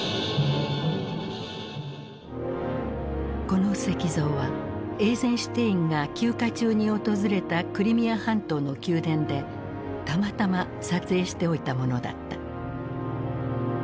この石像はエイゼンシュテインが休暇中に訪れたクリミア半島の宮殿でたまたま撮影しておいたものだった。